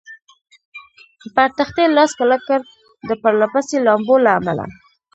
پر تختې لاس کلک کړ، د پرله پسې لامبو له امله.